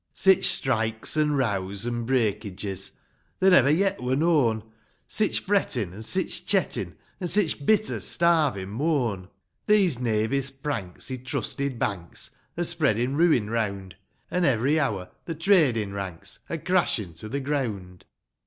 Sich strikes, an' rows, an' breakages, There never yet wur known ; Sich frettin', an' sich chettin', an' Sich bitter starvin' moan ; These knavish pranks i' trusted banks Are spreadin' ruin round ; An' every hour, the tradin' ranks Are crashin' to the ground.